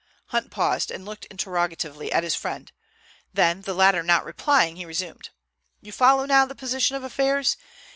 Hunt paused and looked interrogatively at his friend, then, the latter not replying, he resumed: "You follow now the position of affairs?